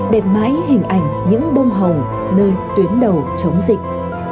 để mãi hình ảnh những bông hồng nơi tuyến đầu chống dịch